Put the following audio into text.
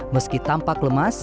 meski tampak lemas